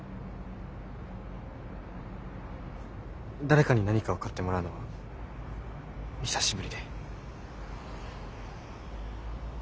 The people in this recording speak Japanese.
誰かに何かを買ってもらうのは久しぶりで。